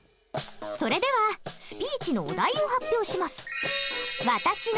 それではスピーチのお題を発表します。